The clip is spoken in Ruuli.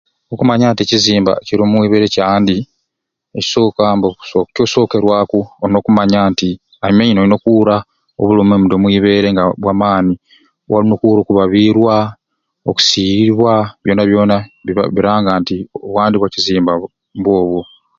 Okumanya nti ekizimba ekiri omwibeere kyandi ekisooka mbe okuso tusookerwaku olin'okumanya nti amiini olina okuura obulumi mudi omwibeere nga bwa maani walimu okuura okubabiirwa okusiiyirirwa byona byona bira biranga nti obwandi bwakizimba mbu mbwobwo.